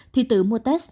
thì tự mua test